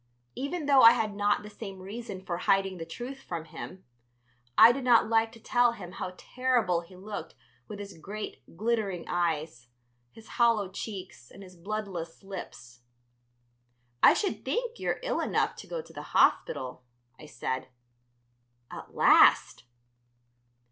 Even though I had not the same reason for hiding the truth from him, I did not like to tell him how terrible he looked with his great glittering eyes, his hollow cheeks, and his bloodless lips. "I should think you're ill enough to go to the hospital," I said. "At last!"